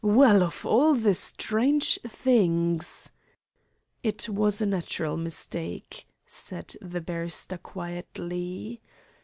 Well, of all the strange things!" "It was a natural mistake," said the barrister quietly.